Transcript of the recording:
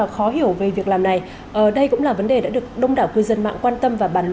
thôi đừng vui quá